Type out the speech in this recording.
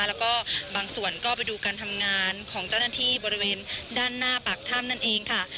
แล้วก็บางส่วนก็ไปดูการทำงานของเจ้าหน้าที่บริเวณด้านหน้าปากถ้ำนั่นเองค่ะ